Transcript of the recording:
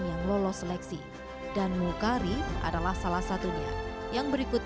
garam pun kita import